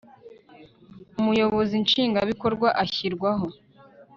Umuyobozi Nshingwabikorwa ashyirwaho